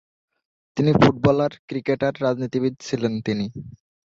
তিনি footballer, cricketer, রাজনীতিবিদ ছিলেন তিনি।